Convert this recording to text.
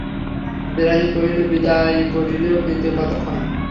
বিহারী কহিল, বিদায় করিলেও ফিরিতে কতক্ষণ।